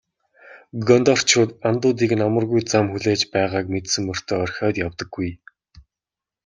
Гондорчууд андуудыг нь амаргүй зам хүлээж байгааг мэдсэн мөртөө орхиод явдаггүй.